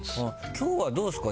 今日はどうですか？